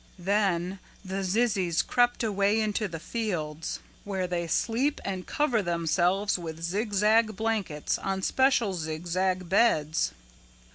"Then the zizzies crept away into the fields where they sleep and cover themselves with zigzag blankets on special zigzag beds.